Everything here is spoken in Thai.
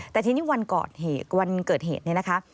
แต่ทีนี้วันเกิดเหตุนะคะ